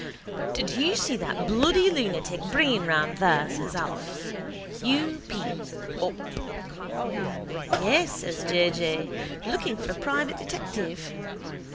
—Did you see that bloody lunatic Breen round there? says Alf. U. p: up. —Yes, says J. J. Looking for a private detective.